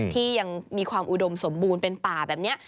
ที่ยังมีความอุดมสมบูรณ์เป็นป่าแบบนี้